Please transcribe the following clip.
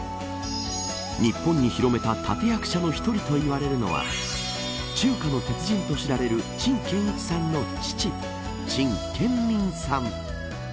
日本に広めた立役者の１人といわれるのは中華の鉄人と知られる陳健一さんの父陳建民さん。